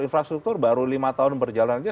infrastruktur baru lima tahun berjalan aja